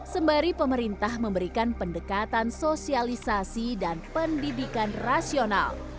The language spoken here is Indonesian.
sembari pemerintah memberikan pendekatan sosialisasi dan pendidikan rasional